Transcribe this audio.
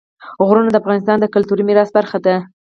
غرونه د افغانستان د کلتوري میراث برخه ده.